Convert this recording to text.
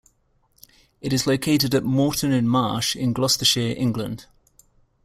It is located at Moreton-in-Marsh in Gloucestershire, England.